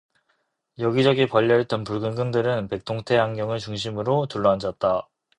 여기저기 벌려 있던 붉은 끈들은 백통테 안경을 중심으로 둘러앉았다.